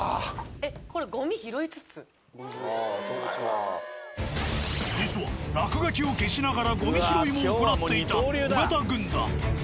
えっこれ実は落書きを消しながらゴミ拾いも行っていた尾形軍団。